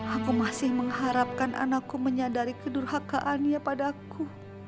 aku masih mengharapkan anakku menyadari kedurhakaannya padaku